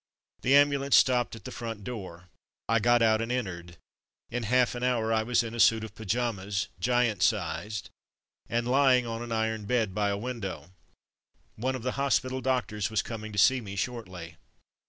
The ambulance stopped at the front door. I got out and entered. In half an hour I was in a suit of pyjamas (giant's size) and lying on an iron bed by a window. One of the hos pital doctors was coming to see me shortly.